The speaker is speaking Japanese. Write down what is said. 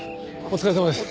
お疲れさまです。